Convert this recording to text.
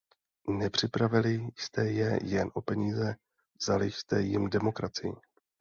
Nepřipravili jste je jen o peníze, vzali jste jim demokracii.